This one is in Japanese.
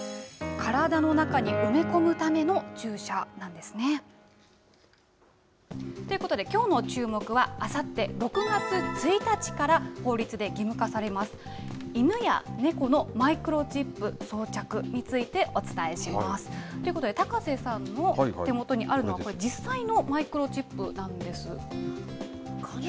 体の中に埋め込むための注射なんですね。ということで、きょうのチューモク！は、あさって６月１日から法律で義務化されます、犬や猫のマイクロチップ装着についてお伝えします。ということで、高瀬さんの手元にあるのは、これ、実際のマイクロチップなんです。